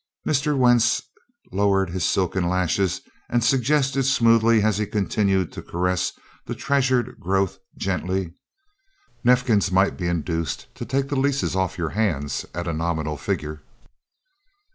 Mr. Wentz lowered his silken lashes and suggested smoothly as he continued to caress the treasured growth gently: "Neifkins might be induced to take the leases off your hands at a nominal figure."